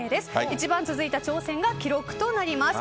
一番続いた挑戦が記録となります。